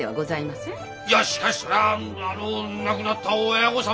いやしかしそらあの亡くなった親御様が。